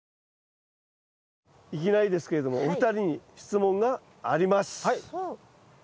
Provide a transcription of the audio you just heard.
いきなりですけれどもお二人に質問があります。